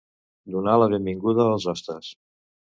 Donar la benvinguda als hostes.